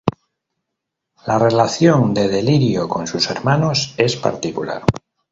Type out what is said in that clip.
La relación de Delirio con sus hermanos es particular.